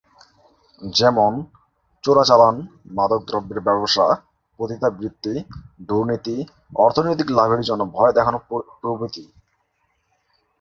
যেমন- চোরাচালান, মাদকদ্রব্যের ব্যবসা, পতিতাবৃত্তি, দুর্নীতি, অর্থনৈতিক লাভের জন্য ভয় দেখানো প্রভৃতি।